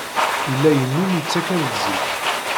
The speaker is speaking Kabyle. Yella yennum yettakkar-d zik.